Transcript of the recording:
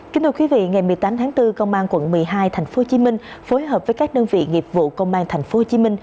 kính thưa quý vị ngày một mươi tám tháng bốn công an quận một mươi hai tp hcm phối hợp với các đơn vị nghiệp vụ công an tp hcm